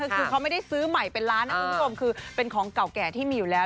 คือเขาไม่ได้ซื้อใหม่เป็นล้านนะคุณผู้ชมคือเป็นของเก่าแก่ที่มีอยู่แล้ว